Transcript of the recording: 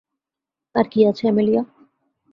আর কী আছে, অ্যামেলিয়া?